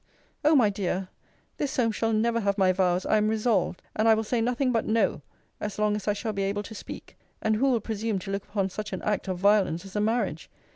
O my dear! this Solmes shall never have my vows I am resolved! and I will say nothing but no, as long as I shall be able to speak. And who will presume to look upon such an act of violence as a marriage?